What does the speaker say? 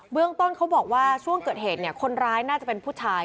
เรื่องต้นเขาบอกว่าช่วงเกิดเหตุคนร้ายน่าจะเป็นผู้ชาย